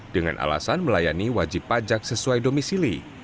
dengan alasan melayani wajib pajak sesuai domisili